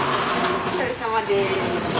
お疲れさまです。